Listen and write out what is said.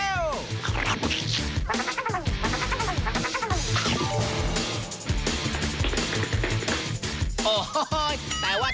โอ้โหแต่ว่า